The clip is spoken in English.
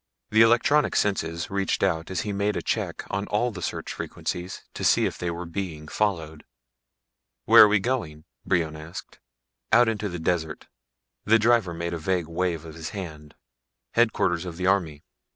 The electronic senses reached out as he made a check on all the search frequencies to see if they were being followed. "Where are we going?" Brion asked. "Out into the desert." The driver made a vague wave of his hand. "Headquarters of the army.